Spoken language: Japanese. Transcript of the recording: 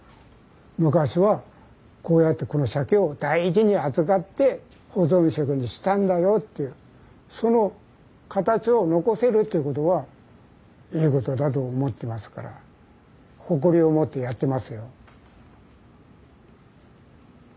昔はこうやってこのシャケを大事に扱って保存食にしたんだよというその形を残せるということはいいことだと思ってますから誇りを持ってやってますよ。